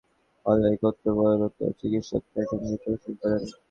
রাতে তাঁকে হাসপাতালে নিয়ে আসা হলে কর্তব্যরত চিকিৎসক তাঁকে মৃত ঘোষণা করেন।